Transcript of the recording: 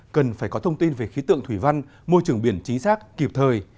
cần phải có thông tin về khí tượng thủy văn môi trường biển chính xác kịp thời